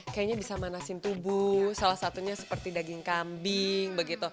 kayaknya bisa manasin tubuh salah satunya seperti daging kambing